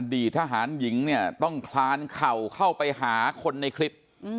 ทหารหญิงเนี่ยต้องคลานเข่าเข้าไปหาคนในคลิป